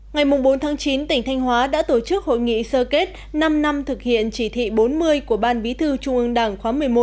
ngày bốn chín tỉnh thanh hóa đã tổ chức hội nghị sơ kết năm năm thực hiện chỉ thị bốn mươi của ban bí thư trung ương đảng khóa một mươi một